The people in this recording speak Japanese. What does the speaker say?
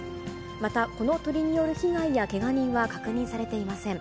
また、この鳥による被害やけが人は確認されていません。